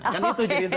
kan itu ceritanya